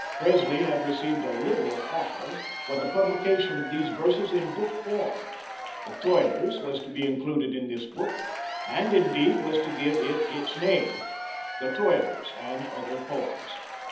Presley had received a liberal offer for the publication of these verses in book form. "The Toilers" was to be included in this book, and, indeed, was to give it its name "The Toilers and Other Poems."